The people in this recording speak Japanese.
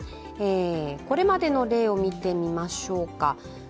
これまでの例を見てみましょうか。